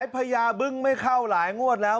พญาบึ้งไม่เข้าหลายงวดแล้ว